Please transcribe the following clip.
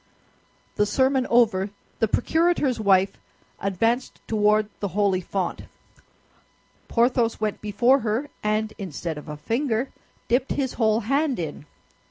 The sermon over, the procurator's wife advanced toward the holy font. Porthos went before her, and instead of a finger, dipped his whole hand in.